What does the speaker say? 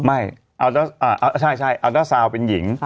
ไม่ใช่อัลเตอร์ซาวน์เป็นหญิง